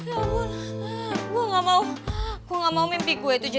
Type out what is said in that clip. arna saya pergi dulu